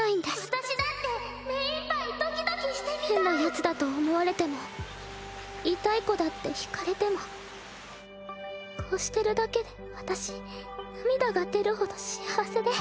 私だって目いっぱいドキド変なヤツだと思われても痛い子だってひかれてもこうしてるだけで私涙が出るほど幸せで。